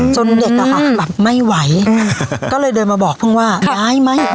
เด็กอะค่ะแบบไม่ไหวก็เลยเดินมาบอกเพิ่งว่าย้ายไหม